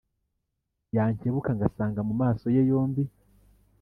Yankebuka ngasangaMu maso ye yombi